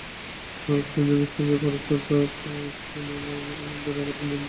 নগরপ্রতিদ্বন্দ্বীদের সঙ্গে পরশুর ড্রটা এসপানিওলের জন্য আরেক দিক দিয়েও আশা-জাগানিয়া বটে।